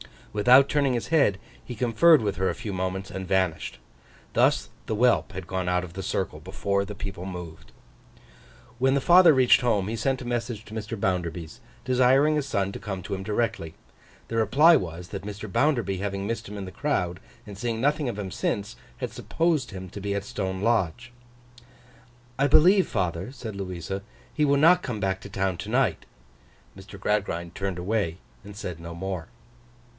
Without turning his head, he conferred with her a few moments, and vanished. Thus the whelp had gone out of the circle before the people moved. When the father reached home, he sent a message to Mr. Bounderby's, desiring his son to come to him directly. The reply was, that Mr. Bounderby having missed him in the crowd, and seeing nothing of him since, had supposed him to be at Stone Lodge. 'I believe, father,' said Louisa, 'he will not come back to town to night.' Mr. Gradgrind turned away, and said no more.